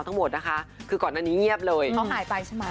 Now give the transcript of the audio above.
มันไหลลงแล้วก็ลากไปด้วย